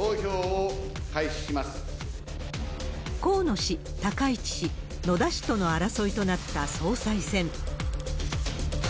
河野氏、高市氏、野田氏との争いとなった総裁選。